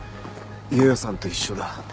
よよさんと一緒だ。